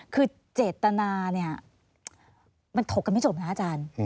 คือเจตนาเนี่ยมันถกกันไม่จบนะอาจารย์